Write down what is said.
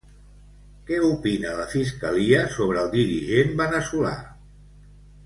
Què opina la Fiscalia sobre el dirigent veneçolà?